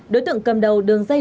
đối tượng cầm đầu đường dây